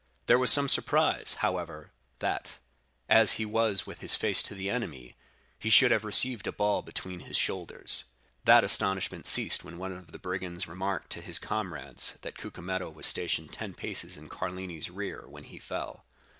There was some surprise, however, that, as he was with his face to the enemy, he should have received a ball between his shoulders. That astonishment ceased when one of the brigands remarked to his comrades that Cucumetto was stationed ten paces in Carlini's rear when he fell.